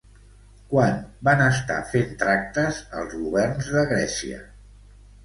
Quan van estar fent tractes, els governs de Grècia?